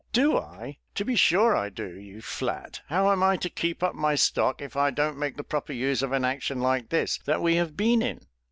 "Do I? to be sure I do, you flat. How am I to keep up my stock, if I don't make the proper use of an action like this that we have been in?"